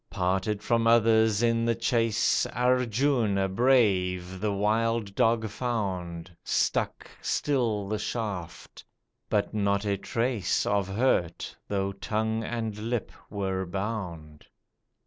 Parted from others in the chase, Arjuna brave the wild dog found, Stuck still the shaft, but not a trace Of hurt, though tongue and lip were bound.